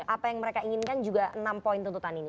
apa yang mereka inginkan juga enam poin tuntutan ini